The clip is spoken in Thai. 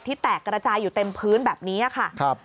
แตกระจายอยู่เต็มพื้นแบบนี้ค่ะ